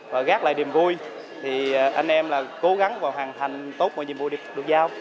và gác lại niềm vui thì anh em là cố gắng và hoàn thành tốt mọi nhiệm vụ được giao